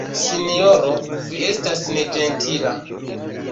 Sinjoro, vi estas neĝentila.